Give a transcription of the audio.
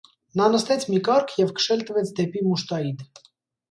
Նա նստեց մի կառք և քշել տվեց դեպի Մուշտայիդ: